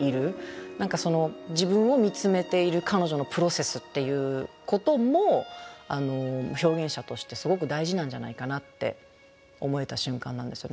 何かその自分を見つめている彼女のプロセスっていうことも表現者としてすごく大事なんじゃないかなって思えた瞬間なんですよね。